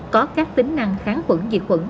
có các tính năng kháng khuẩn diệt khuẩn